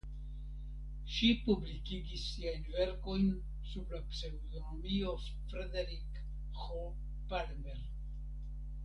Ŝi publikigis siajn verkojn sub la pseŭdonimo Frederik H. Palmer.